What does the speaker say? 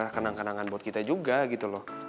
kenang kenangan buat kita juga gitu loh